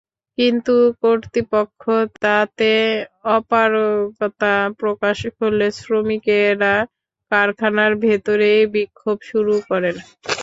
কিন্তু কর্তৃপক্ষ তাতে অপারগতা প্রকাশ করলে শ্রমিকেরা কারখানার ভেতরেই বিক্ষোভ শুরু করেন।